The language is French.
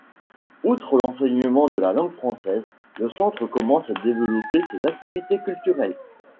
Outre l'enseignement de la langue française, le centre commence à développer ses activités culturelles.